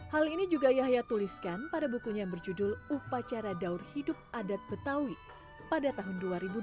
hal ini juga yahya tuliskan pada bukunya yang berjudul upacara daur hidup adat betawi pada tahun dua ribu dua